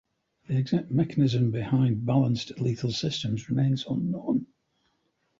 The exact mechanism behind balanced lethal systems remains unknown.